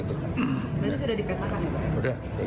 berarti sudah dipetakan ya pak